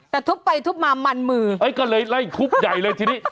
แต่ทุบไปทุบมามันมือก็เลยไล่ทุบใหญ่เลยทีนี้